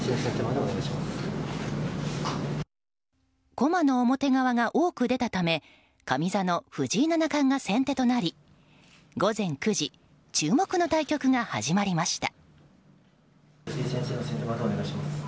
駒の表側が多く出たため上座の藤井七冠が先手となり午前９時注目の対局が始まりました。